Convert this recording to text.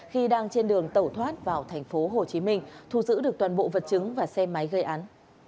khi đang trên đường tẩu thoát vào thành phố hồ chí minh thu giữ được toàn bộ vật chứng và xe máy gây án